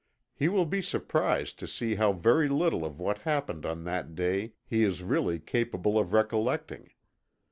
He will be surprised to see how very little of what happened on that day he is really capable of recollecting.